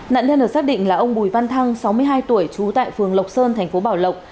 nạn nhân được xác định là ông bùi văn thăng sáu mươi hai tuổi chú tại phường lộc sơn tp bảo lộc